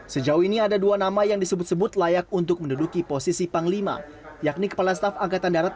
sejauh ini ada dua nama yang disebut sebut layak untuk menduduki posisi panglima yakni kepala staf angkatan darat